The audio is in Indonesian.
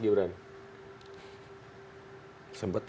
dibicarakan enggak sama mas gibran